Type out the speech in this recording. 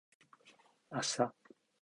あした